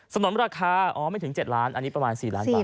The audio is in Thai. นุนราคาอ๋อไม่ถึง๗ล้านอันนี้ประมาณ๔ล้านบาท